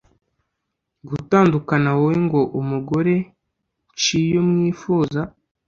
gutandukana wowe ngo umugore nciyo mwifuza